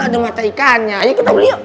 ada mata ikannya ayo kita beli yuk